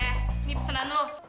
eh ini pesanan lu